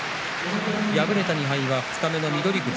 敗れた２敗は二日目の翠富士。